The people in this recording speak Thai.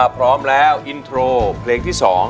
พร้อมแล้วอินโทรเพลงที่๒